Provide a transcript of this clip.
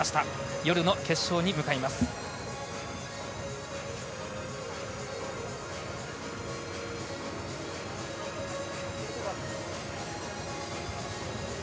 夜の決勝に向かいます。